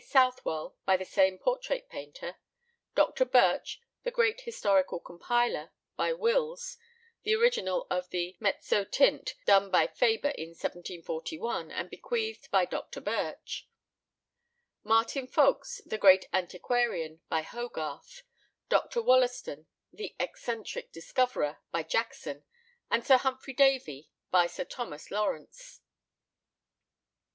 Southwell, by the same portrait painter; Dr. Birch, the great historical compiler, by Wills (the original of the mezzotint done by Faber in 1741, and bequeathed by Dr. Birch); Martin Folkes, the great antiquarian, by Hogarth; Dr. Wollaston, the eccentric discoverer, by Jackson; and Sir Humphrey Davy, by Sir Thomas Lawrence.